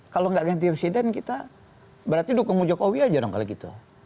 kalau nggak ganti presiden kita berarti dukung jokowi aja dong kalau gitu